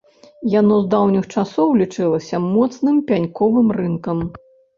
Яно з даўніх часоў лічылася моцным пяньковым рынкам.